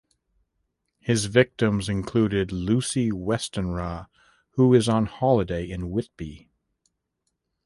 His victims included Lucy Westenra, who is on holiday in Whitby.